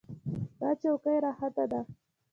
دا چوکۍ راحته ده.